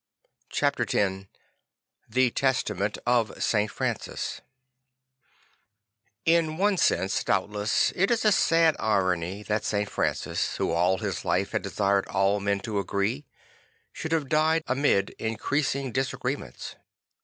Chapter X he estament of St. Francis IN one sense doubtless it is a sad irony that St. Francis, who all his life had desired all men to agree, should have died amid increasing dis agreements.